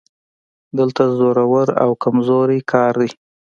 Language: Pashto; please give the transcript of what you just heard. دلته زورور او کمزوری کار دی